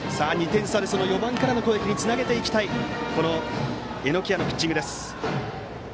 ２点差で４番からの攻撃につなげていきたい榎谷のピッチングです。